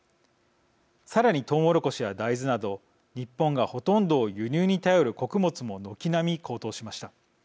さらにトウモロコシや大豆など日本がほとんどを輸入に頼る穀物も軒並み高騰しました。